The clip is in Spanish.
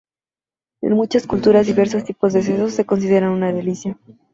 En muchas culturas, diversos tipos de sesos se consideran una delicia.